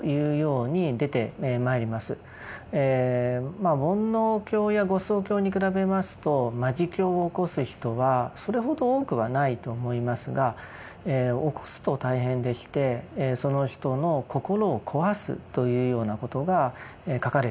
まあ煩悩境や業相境に比べますと魔事境を起こす人はそれほど多くはないと思いますが起こすと大変でしてその人の心を壊すというようなことが書かれています。